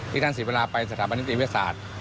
ที่ท่านศิษย์เวลาไปสถาบันติวิทยาศาสตร์